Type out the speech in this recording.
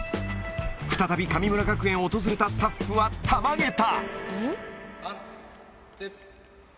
再び神村学園を訪れたスタッフはたまげた。